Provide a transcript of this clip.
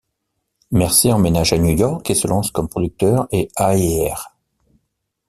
Mercer emménage à New York et se lance comme producteur et A&R.